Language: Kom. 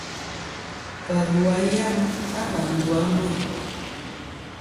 Và lu a yaŋ a va ndu a Meŋ.